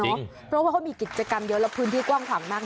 เพราะว่าเขามีกิจกรรมเยอะแล้วพื้นที่กว้างขวางมาก